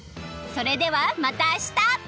それではまた明日！